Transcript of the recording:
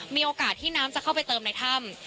มีโอกาสที่น้ำจะเข้าไปเติมในถ้ำ